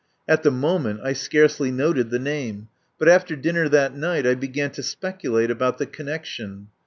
At the moment I scarcely noted the name, but after dinner that night I began to specu late about the connection.